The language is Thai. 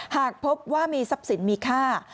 หากพบว่ามีทรัพย์สินมีค่า